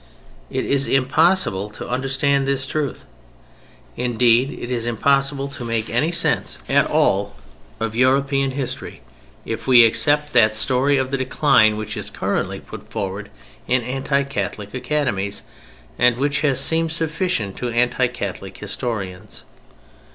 It is impossible to understand this truth, indeed it is impossible to make any sense at all of European history, if we accept that story of the decline which is currently put forward in anti Catholic academies, and which has seemed sufficient to anti Catholic historians.